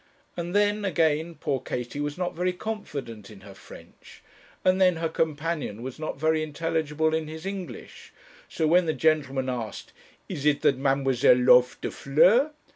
And then, again, poor Katie was not very confident in her French, and then her companion was not very intelligible in his English; so when the gentleman asked, 'Is it that mademoiselle lofe de fleurs?'